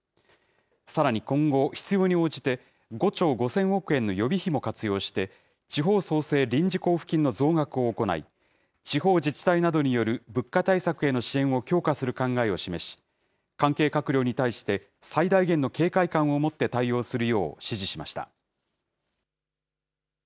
さらに今後、必要に応じて、５兆５０００億円の予備費も活用して、地方創生臨時交付金の増額を行い、地方自治体などによる物価対策への支援を強化する考えを示し、関係閣僚に対して最大限の警戒感を持って対応するよう指示しました。